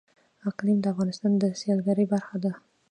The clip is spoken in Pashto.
اقلیم د افغانستان د سیلګرۍ برخه ده.